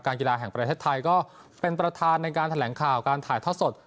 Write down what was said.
กีฬาแห่งประเทศไทยก็เป็นประธานในการแถลงข่าวการถ่ายทอดสด